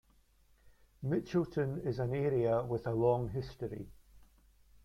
Mitchelton is an area with a long history.